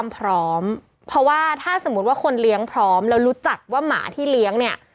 พร้อมเพราะว่าถ้าสมมุติว่าคนเลี้ยงพร้อมแล้วรู้จักว่าหมาที่เลี้ยงเนี่ย